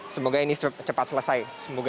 semoga ini cepat selesai